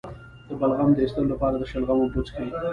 د بلغم د ایستلو لپاره د شلغم اوبه وڅښئ